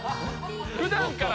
普段から